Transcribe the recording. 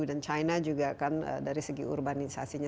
dan china juga kan dari segi urbanisasinya